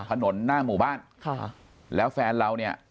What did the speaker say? ถนนหน้าหมู่บ้านค่ะแล้วแฟนเราเนี่ย